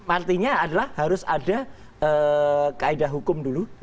artinya adalah harus ada kaedah hukum dulu